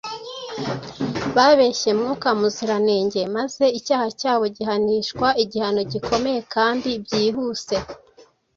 Babeshye Mwuka Muziranenge maze icyaha cyabo gihanishwa igihano gikomeye kandi byihuse